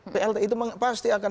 pplt itu pasti akan